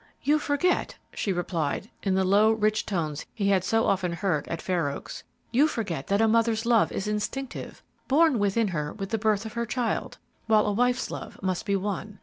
"You forget," she replied, in the low, rich tones he had so often heard at Fair Oaks; "you forget that a mother's love is instinctive, born within her with the birth of her child, while a wife's love must be won.